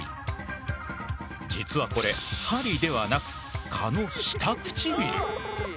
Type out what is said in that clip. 実はこれ針ではなく蚊の下唇。